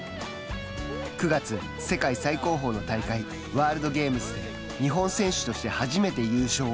９月、世界最高峰の大会ワールドゲームズで日本選手として初めて優勝。